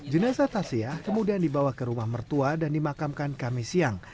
jenasa tasiah kemudian dibawa ke rumah mertua dan dimakamkan kami siang